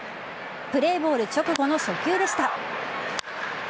プレーボール直後の初球でした。